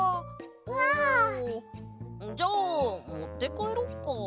あ。じゃあもってかえろっか。